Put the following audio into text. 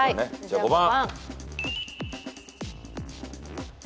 じゃあ５番。